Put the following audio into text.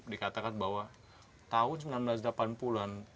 dikatakan bahwa tahun seribu sembilan ratus delapan puluh an